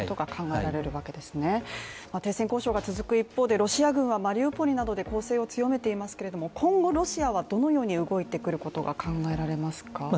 停戦交渉が続く一方でロシア軍はマリウポリなどで攻勢を強めていますけれども、今後ロシアはどのように動いてくることが考えられますか？